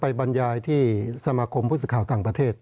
บรรยายที่สมาคมผู้สื่อข่าวต่างประเทศ